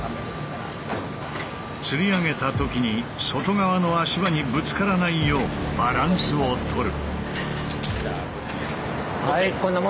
つり上げた時に外側の足場にぶつからないようバランスをとる。